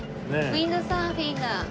ウィンドサーフィンだ。